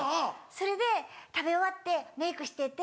それで食べ終わってメイクしてて。